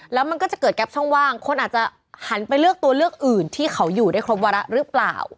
แล้วมันก็จะเกิดแก๊ปช่องว่างคนอาจจะหันไปเลือกตัวเลือกอื่นที่เขาอยู่ได้ครบวาระหรือเปล่า